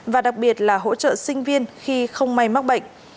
và đặc biệt là hỗ trợ sinh viên khi không may mắc bệnh